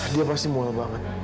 dia pasti mau mual banget